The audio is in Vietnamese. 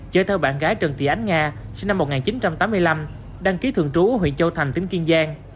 chở theo bạn gái trần thị ánh nga sinh năm một nghìn chín trăm tám mươi năm đăng ký thường trú ở huyện châu thành tỉnh kiên giang